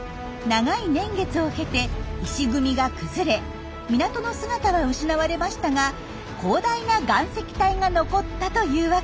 長い年月を経て石組みが崩れ港の姿は失われましたが広大な岩石帯が残ったというわけです。